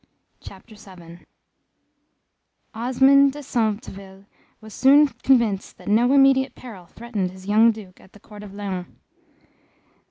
CHAPTER VII Osmond de Centeville was soon convinced that no immediate peril threatened his young Duke at the Court of Laon.